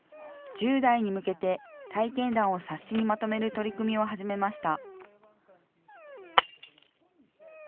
１０代に向けて、体験談を冊子にまとめる取り組みを始めました。